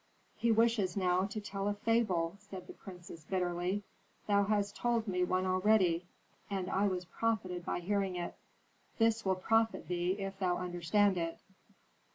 "He wishes now to tell a fable!" said the priestess, bitterly. "Thou hast told me one already, and I was profited by hearing it." "This will profit thee if thou understand it."